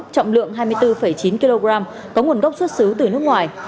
trọng lượng hai mươi bốn chín kg có nguồn gốc xuất xứ từ nước ngoài